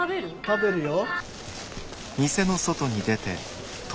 食べるよ。